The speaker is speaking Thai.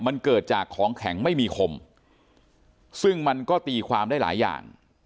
มันเกิดจากของแข็งไม่มีคมซึ่งมันก็ตีความได้หลายอย่าง